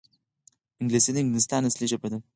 انګلیسي د انګلستان اصلي ژبه ده